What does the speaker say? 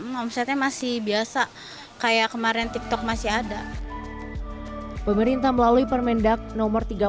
momsetnya masih biasa kayak kemarin tiktok masih ada pemerintah melalui permendag nomor